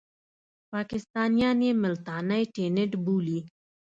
پاکستانیان یې ملتانی ټېنټ بولي.